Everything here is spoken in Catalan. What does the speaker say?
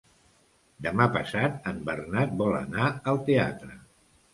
Demà passat en Bernat vol anar al teatre.